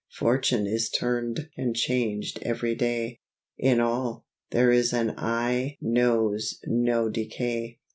Fortune is turn'd and changed every day. In all, there is an eye know's no decay.